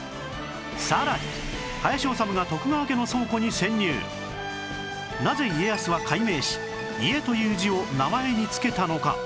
さらになぜ家康は改名し「家」という字を名前に付けたのか？